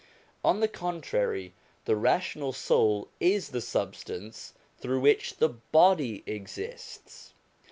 On the contrary, the rational soul is the substance through which the body exists.